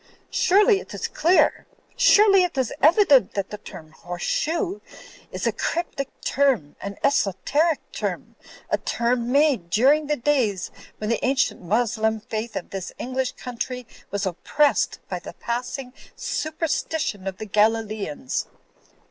Surely it is clear, surely it is evident that the term 'horse shoe' is a cr)rp tic term, an esoteric term, a term made during the days when the ancient Moslem faith of this English country was oppressed by the passing superstition of the Galileans.